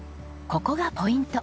ここがポイント。